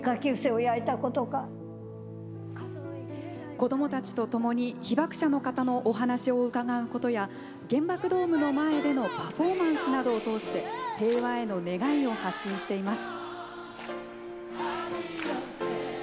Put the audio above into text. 子どもたちとともに被爆者の方のお話を伺うことや原爆ドームの前でのパフォーマンスなどを通して平和への願いを発信しています。